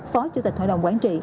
phó chủ tịch hội đồng quản trị